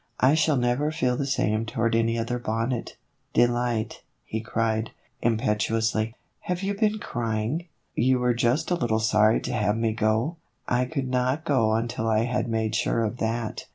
I shall never feel the same toward any other bonnet. Delight," he cried, impetuously, " have you been crying ? You were just a little sorry to have me go ? I could not go until I had made sure of that.